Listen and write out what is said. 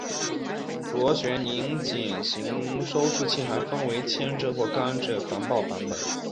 螺旋拧紧型收束器还分为铅制或钢制防爆版本。